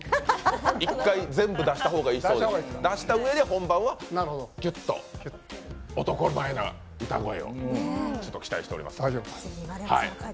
１回全部出した方がいいそうです、そのうえで本番はキュッと男前な歌声を期待しております。